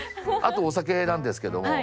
あとお酒なんですけども。